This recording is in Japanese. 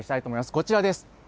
こちらです。